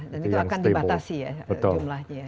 dan itu akan dibatasi ya jumlahnya